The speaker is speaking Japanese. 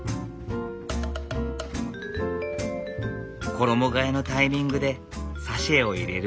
衣がえのタイミングでサシェを入れる。